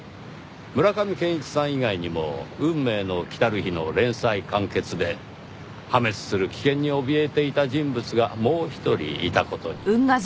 村上健一さん以外にも『運命の来たる日』の連載完結で破滅する危険におびえていた人物がもう一人いた事に。